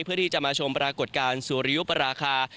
เพื่อที่จะมาชมปรากฎการณ์ซูเรียนประราคา